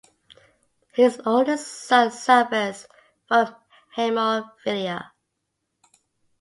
His oldest son suffers from hemophilia.